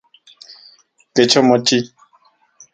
¿Kech omochi?